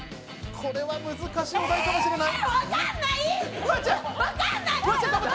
これは難しいかもしれない。